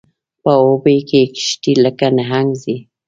په اوبو کې یې کشتۍ لکه نهنګ ځي